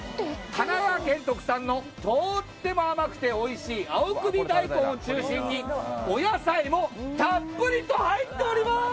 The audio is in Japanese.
神奈川県特産のとっても甘くておいしい青首大根を中心にお野菜もたっぷりと入っております！